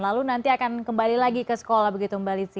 lalu nanti akan kembali lagi ke sekolah begitu membalik